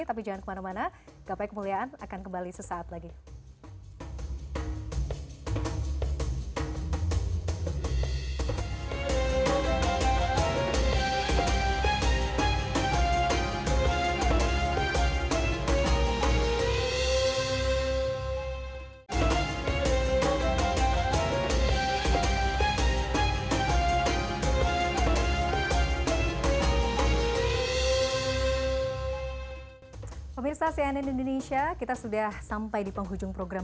tapi jangan kemana mana